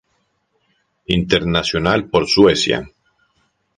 Internacional por Suecia.